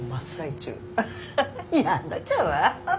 やんなっちゃうわ。